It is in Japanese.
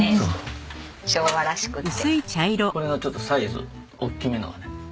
これがちょっとサイズ大きめのがね。